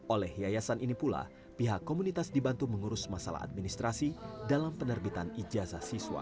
oleh yayasan ini pula pihak komunitas dibantu mengurus masalah administrasi dalam penerbitan ijazah siswa